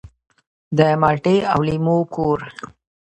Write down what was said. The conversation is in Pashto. د مالټې او لیمو کور.